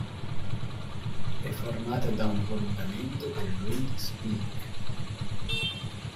È formata da un prolungamento del Riggs Peak.